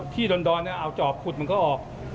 ดอนเอาจอบขุดมันก็ออก